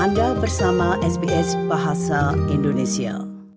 anda bersama sbs bahasa indonesia